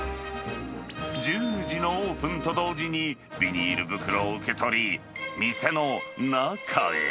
１０時のオープンと同時に、ビニール袋を受け取り、店の中へ。